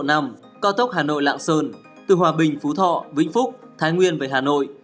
cao tốc hà nội lạng sơn từ hòa bình phú thọ vĩnh phúc thái nguyên về hà nội